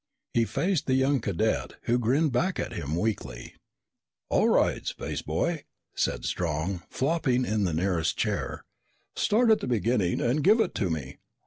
He faced the young cadet, who grinned back at him weakly. "All right, spaceboy," said Strong, flopping in the nearest chair. "Start at the beginning and give it to me.